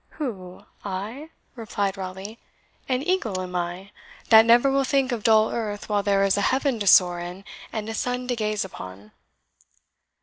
"Who I?" replied Raleigh. "An eagle am I, that never will think of dull earth while there is a heaven to soar in, and a sun to gaze upon."